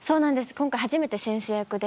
今回初めて先生役で。